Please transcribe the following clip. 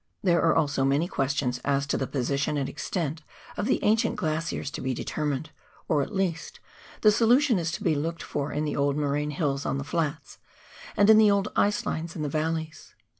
There are also many questions as to the position and extent of the ancient glaciers to be determined, or, at least, the solution is to be looked for in the old moraine hills on the flats, and in the old " ice lines " in the valleys.